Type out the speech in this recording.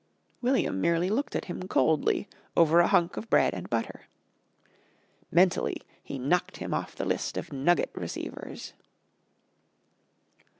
William merely looked at him coldly over a hunk of bread and butter. Mentally he knocked him off the list of nugget receivers.